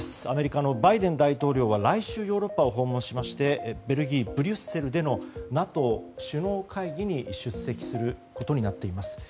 アメリカのバイデン大統領は来週ヨーロッパを訪問しましてベルギー・ブリュッセルでのＮＡＴＯ首脳会議に出席することになっています。